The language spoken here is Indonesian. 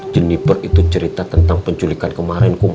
jennieper itu cerita tentang penculikan kemarin